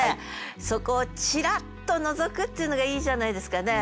そこをちらっと覗くっていうのがいいじゃないですかね。